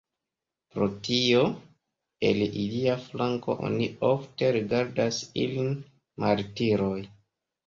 Pro tio, el ilia flanko oni ofte rigardas ilin martiroj.